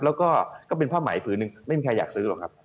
แล้วก็เป็นผ้าใหม่อีกพื้นนึงไม่มีใครอยากซื้อหรอกครับ